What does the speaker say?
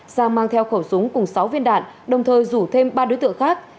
sang mang theo khẩu súng cùng sáu viên đạn đồng thời rủ thêm ba đối tượng khác